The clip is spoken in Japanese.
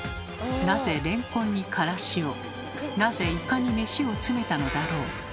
なぜレンコンにからしをなぜイカに飯を詰めたのだろう？